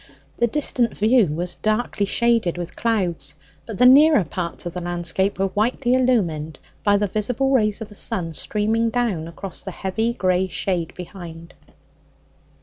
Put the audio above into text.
The distant view was darkly shaded with clouds; but the nearer parts of the landscape were whitely illumined by the visible rays of the sun streaming down across the heavy gray shade behind.